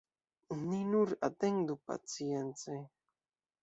Ni nur atendu pacience!